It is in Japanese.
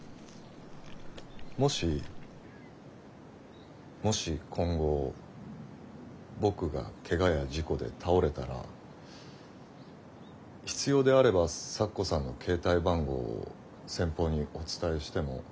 もしもし今後僕がケガや事故で倒れたら必要であれば咲子さんの携帯番号を先方にお伝えしても。